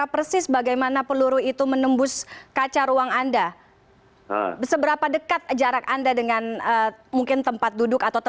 kedua anggota dpr tersebut juga tidak mengalami luka